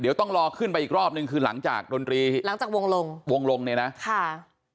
เดี๋ยวต้องรอขึ้นไปอีกรอบนึงคือหลังจากดนตรีหลังจากวงลงวงลงเนี่ยนะค่ะ